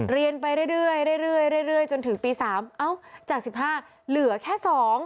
เรียนไปเรื่อยจนถึงปี๓เอ้าจาก๑๕เหลือแค่๒